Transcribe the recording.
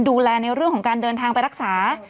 ในเรื่องของการเดินทางไปรักษา